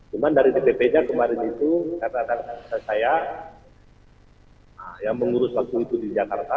cuman dari dpp nya kemarin itu karena saya yang mengurus waktu itu di jakarta